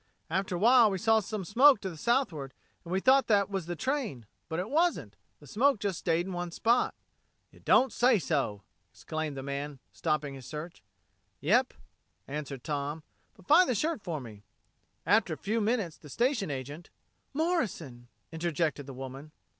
After a while we saw some smoke to the southward and we thought that was the train. But it wasn't. The smoke just stayed in one spot." "Y' don't say so!" exclaimed the man, stopping his search. "Yep," answered Tom, "but find the shirt for me. After a few minutes the station agent...." "Morrison," interjected the woman.